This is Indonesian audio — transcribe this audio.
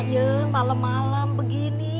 yang malem malem begini